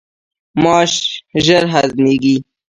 ماش ژر هضمیږي.